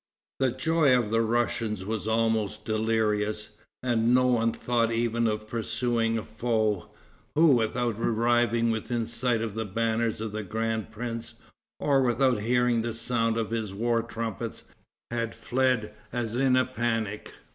The joy of the Russians was almost delirious; and no one thought even of pursuing a foe, who without arriving within sight of the banners of the grand prince, or without hearing the sound of his war trumpets, had fled as in a panic.